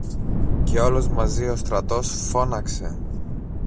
Και όλος μαζί ο στρατός φώναξε